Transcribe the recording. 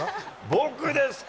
僕ですか。